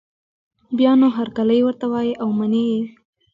بیا نو هرکلی ورته وايي او مني یې